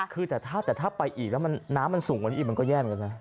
คือแต่ถ้าไปอีกแล้วน้ำมันสูงกว่านี้อีกมันก็แย่เหมือนกันนะ